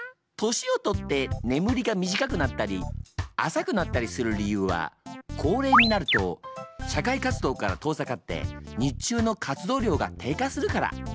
年をとって眠りが短くなったり浅くなったりする理由は高齢になると社会活動から遠ざかって日中の活動量が低下するから。